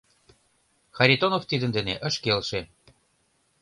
Харитонов тидын дене ыш келше.